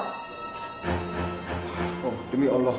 oh demi allah